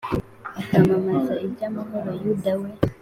akamamaza iby’amahoro! Yuda we